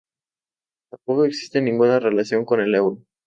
Tampoco existe ninguna relación con el euro.